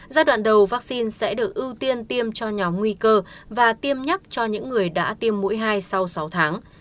giai đoạn đầu vaccine sẽ được ưu tiên tiêm cho nhóm nguy cơ và tiêm nhắc cho những người đã tiêm mũi hai sau sáu tháng